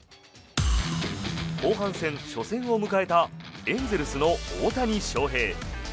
後半戦初戦を迎えたエンゼルスの大谷翔平。